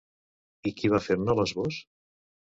I qui va fer-ne l'esbós?